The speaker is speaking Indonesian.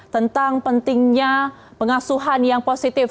tentang pentingnya pengasuhan yang positif